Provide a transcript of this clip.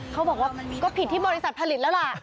เขาบอกว่าก็ผิดที่บรรษฎร์ผลิตล่ะล่ะ